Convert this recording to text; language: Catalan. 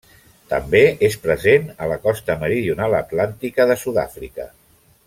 També és present a la costa meridional atlàntica de Sud-àfrica.